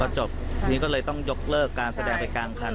จบนี้ก็เลยต้องยกเลิกการแสดงไปกลางคัน